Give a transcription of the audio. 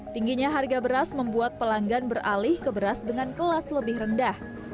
tingginya harga beras membuat pelanggan beralih ke beras dengan kelas lebih rendah